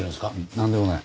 なんでもない。